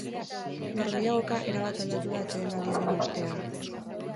Norgehiagoka erabat aldatu da atsedenaldiaren ostean.